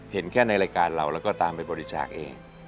เห็นแค่ในรายการเราแล้วก็ตามไปบริจาคเอง